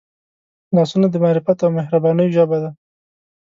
لاسونه د معرفت او مهربانۍ ژبه ده